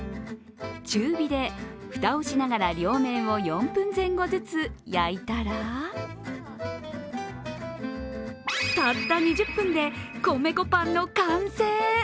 中火で蓋をしながら両面を４分前後ずつ焼いたらたった２０分で米粉パンの完成。